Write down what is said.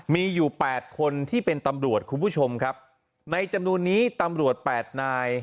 มีอยู่๘คนที่เป็นตำรวจคุณผู้ชมครับในจำนวนนี้ตำรวจแปดนาย